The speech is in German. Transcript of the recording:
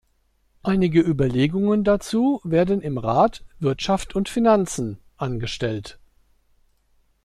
Einige Überlegungen dazu werden im Rat "Wirtschaft und Finanzen" angestellt.